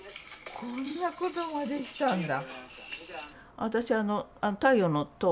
こんなことまでしたんだ！